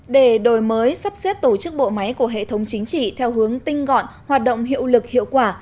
để đổi mới sắp xếp tổ chức bộ máy của hệ thống chính trị theo hướng tinh gọn hoạt động hiệu lực hiệu quả